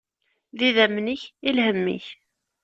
D idammen-ik, i lhemm-ik.